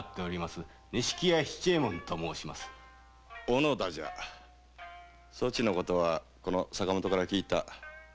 小野田じゃそちの事はこの坂本から聞いた。